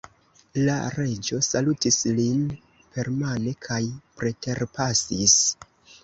La Reĝo salutis lin permane kaj preterpasis.